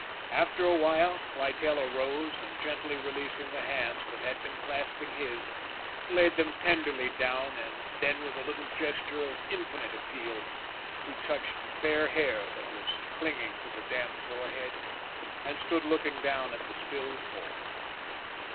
After a while, Littell arose and gently releasing the hands that had been clasping his, laid them tenderly down and then with a little gesture of infinite appeal he touched the fair hair that was clinging to the damp forehead and stood looking down at the still form.